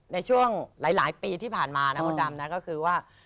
ในช่วงหลายปีที่ผ่านมานะมดดำนะก็คือว่า